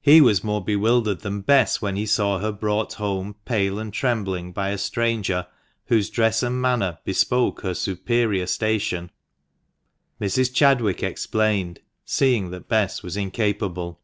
He was more bewildered than Bess when he saw her brought home pale and trembling by a stranger, whose dress and manner bespoke her superior station, Mrs. Chadwick explained, seeing that Bess was incapable.